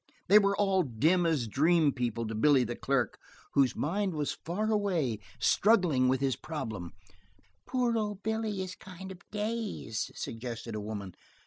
They were all dim as dream people to Billy the clerk, whose mind was far away struggling with his problem. "Pore old Billy is kind of dazed," suggested a woman.